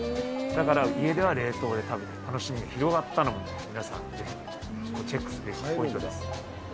だから、家では冷凍で食べれる楽しみが広がったのも、皆さんぜひ、チェックすべきポイントです。